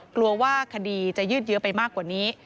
กลัวว่าคดีจะยืดเยอะไปมากกว่านี้